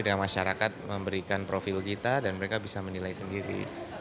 dengan masyarakat memberikan profil kita dan mereka bisa menilai sendiri